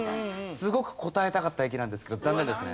すごく答えたかった駅なんですけど残念ですね。